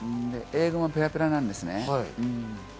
英語もペラペラなんですよね。